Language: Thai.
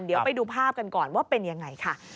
เดี๋ยวไปดูภาพกันก่อนว่าเป็นยังไงค่ะ